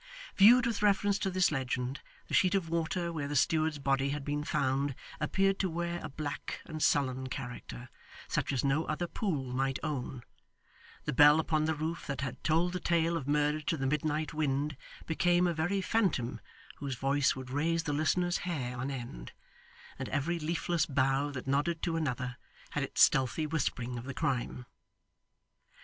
Viewed with reference to this legend, the sheet of water where the steward's body had been found appeared to wear a black and sullen character, such as no other pool might own; the bell upon the roof that had told the tale of murder to the midnight wind, became a very phantom whose voice would raise the listener's hair on end; and every leafless bough that nodded to another, had its stealthy whispering of the crime.